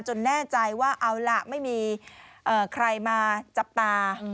แน่ใจว่าเอาล่ะไม่มีใครมาจับตา